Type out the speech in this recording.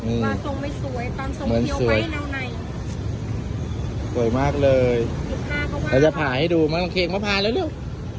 อืมอืมสวยมากเลยเราจะผ่าให้ดูมาเค้กมาผ่าเร็วเร็ว